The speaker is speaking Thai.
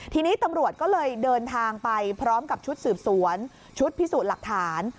ทีนี้ตำรวจก็เลยเดินทางไปพร้อมกับชุดสืบสวนชุดพิสูจน์หลักฐาน